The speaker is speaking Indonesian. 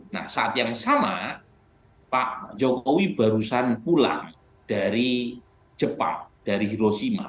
nah saat yang sama pak jokowi barusan pulang dari jepang dari hiroshima